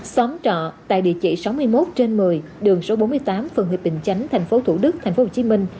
xóm trọ tại địa chỉ sáu mươi một trên một mươi đường số bốn mươi tám phần huyệt bình chánh tp thủ đức tp hcm